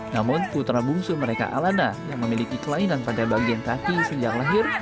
namun putra bungsu mereka alana yang memiliki kelainan pada bagian kaki sejak lahir